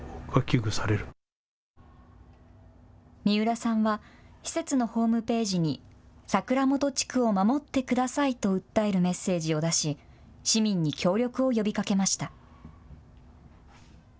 三浦さんは施設のホームページに桜本地区を守ってくださいと訴えるメッセージを出し市民に協力を呼びかけました。